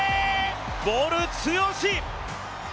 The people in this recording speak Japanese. ボル強し！